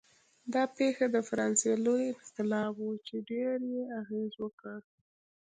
دا پېښه د فرانسې لوی انقلاب و چې ډېر یې اغېز وکړ.